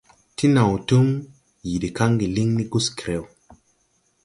Ti naw tum yii de kaŋge liŋ ni Guskreo.